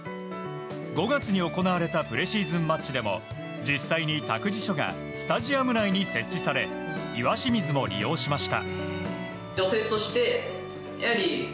５月に行われたプレシーズンマッチでも実際に託児所がスタジアム内に設置され岩清水も利用しました。